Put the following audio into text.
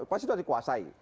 pasti sudah dikuasai